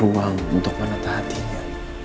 rumah ruang untuk menata hatinya